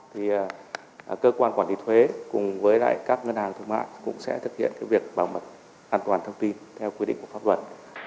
thì cơ quan quản lý thuế cùng với lại các ngân hàng thương mại cũng sẽ thực hiện việc bảo mật an toàn thông tin